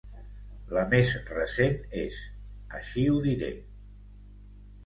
La més recent és "Així ho diré!"